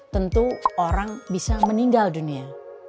tentu orang bisa meninggal dunia